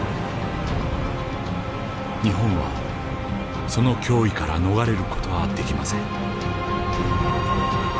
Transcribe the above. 日本はその脅威から逃れる事はできません。